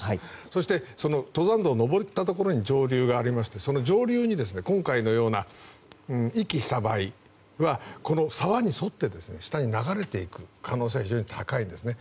そして、登山道を登ったところに上流がありましてその上流に、今回のような遺棄した場合は、沢に沿って下に流れていく可能性が非常に高いんですね。